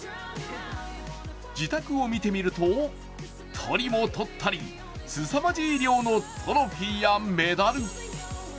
自宅を見てみると、とりもとったり、すさまじい量のトロフィーやメダル。